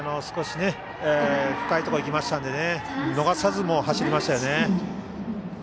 少し深いところに行きましたので逃さず走りましたね。